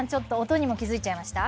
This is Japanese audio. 音にも気付いちゃいました？